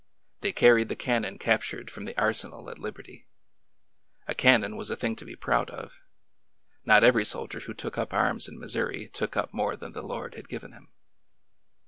They carried the cannon captured from the arsenal at Liberty. A cannon was a thing to be proud of. Not every soldier who took up arms in Missouri took up more than the Lord had given him.